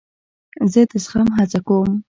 زه د زغم هڅه کوم.